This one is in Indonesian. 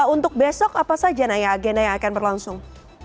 untuk besok apa saja naya agenda yang akan berlangsung